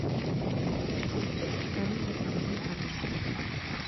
فېسبوک د تعلیم لپاره هم کارول کېږي